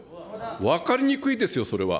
分かりにくいですよ、それは。